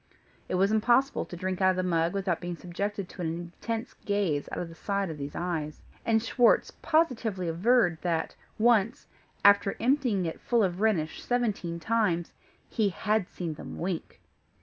It was impossible to drink out of the mug without being subjected to an intense gaze out of the side of these eyes; and Schwartz positively averred, that once, after emptying it, full of Rhenish, seventeen times, he had seen them wink!